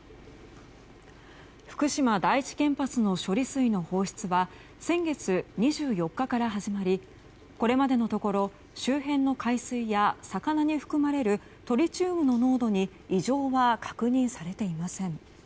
福島第一原発の処理水の放出は先月２４日から始まりこれまでのところ周辺の海水や魚に含まれるトリチウムの濃度に異常は確認されていません。